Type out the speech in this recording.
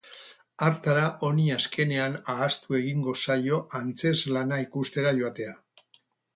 Hartara honi azkenean ahaztu egingo zaio antzezlana ikustera joatea.